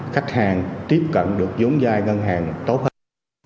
khách hàng tiếp cận được giống giai ngân hàng tốt hơn